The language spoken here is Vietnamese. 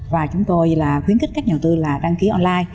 và chúng tôi là khuyến khích các nhà đầu tư là đăng ký online